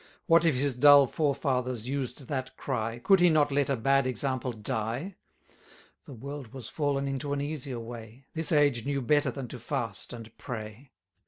What if his dull forefathers used that cry, Could he not let a bad example die? The world was fallen into an easier way; This age knew better than to fast and pray.